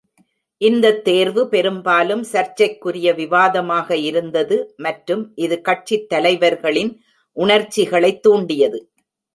இந்த தேர்வு பெரும்பாலும் சர்ச்சைக்குரிய விவாதமாக இருந்தது மற்றும் இது கட்சித் தலைவர்களின் உணர்ச்சிகளைத் தூண்டியது.